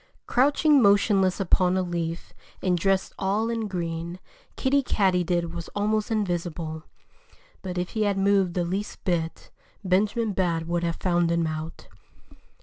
Crouching motionless upon a leaf, and dressed all in green, Kiddie Katydid was almost invisible. But if he had moved the least bit, Benjamin Bat would have found him out.